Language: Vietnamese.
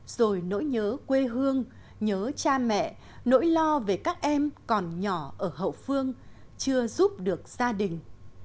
rồi nỗi nhớ quê hương nhớ cha mẹ nỗi lo về các em còn nhỏ ở hậu phương chưa giúp được gia đình